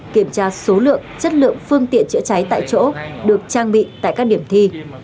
kiểm tra số lượng chất lượng phương tiện chữa cháy tại chỗ được trang bị tại các điểm thi